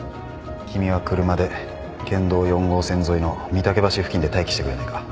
君は車で県道４号線沿いの美竹橋付近で待機してくれないか？